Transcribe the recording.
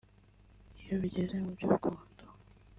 iyo bigeze mu by’urukundo